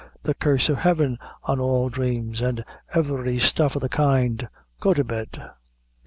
"The curse o' Heaven on all dhrames, an' every stuff o' the kind. Go to bed."